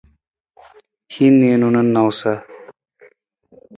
Hin niinu na nawusa.